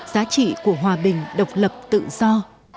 giá trị của hòa bình độc lập tự do